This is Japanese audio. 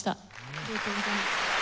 ありがとうございます。